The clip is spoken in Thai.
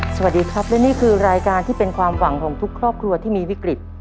สวัสดีครับและนี่คือรายการที่เป็นความหวังของทุกครอบครัวที่มีวิกฤต